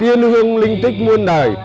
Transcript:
tiên hương linh tích muôn đời